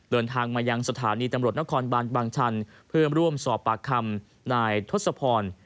เดินทางมายังสถานีตำรวจนครบานบางชันเพื่อร่วมสอบปากคำนายทศพร